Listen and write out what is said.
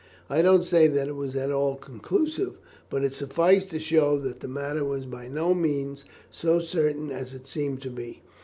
I don't say that it was at all conclusive, but it sufficed to show that the matter was by no means so certain as it seemed to be.